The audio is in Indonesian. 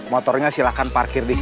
biar saya bantu parkirnya